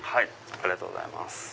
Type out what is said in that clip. ありがとうございます。